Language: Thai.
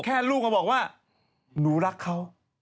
แค่ลูกก็บอกว่าหนูรักเขา